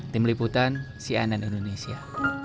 tim liputan sianan indonesia